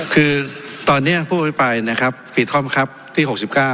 คือตอนนี้ผู้ประทวงศ์ธรรมนะครับผลิตค่อมคับที่๖๙